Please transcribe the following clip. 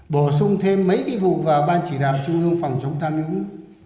bổ sung thêm mấy cái vụ vào ban chỉ đạo trung ương phòng chống tham nhũng